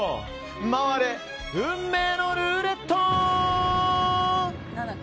回れ、運命のルーレット！